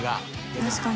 確かに。